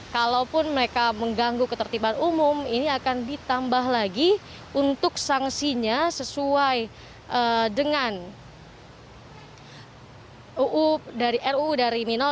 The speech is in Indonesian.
kalaupun mereka mengganggu ketertiban umum ini akan ditambah lagi untuk sanksinya sesuai dengan ruu dari mino